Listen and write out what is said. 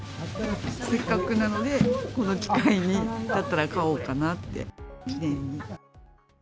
せっかくなので、この機会に、だったら買おうかなって、記念に。